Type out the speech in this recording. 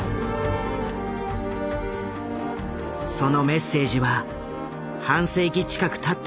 そのメッセージは半世紀近くたった